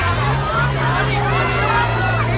ก็ไม่มีเวลาให้กลับมาเท่าไหร่